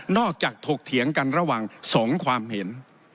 จากถกเถียงกันระหว่าง๒ความเห็น